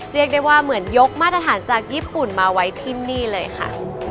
เรียกได้ว่าเหมือนยกมาตรฐานจากญี่ปุ่นมาไว้ที่นี่เลยค่ะ